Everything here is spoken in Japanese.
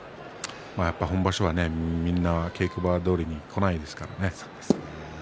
やっぱり本場所はみんな稽古場どおりにはこないですからね。